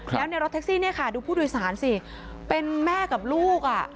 แล้วในรถแท็กซี่เนี่ยค่ะดูผู้โดยสารสิเป็นแม่กับลูกอ่ะ